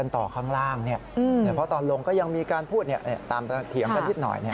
แต่พอตอนลงก็ยังมีการพูดเนี่ยตามเถียงกันนิดหน่อยเนี่ย